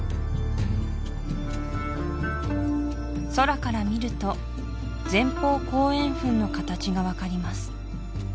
空から見ると前方後円墳の形が分かります